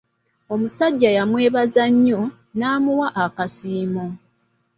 Omusajja yamwebaza nnyo n'amuwa akasiimo.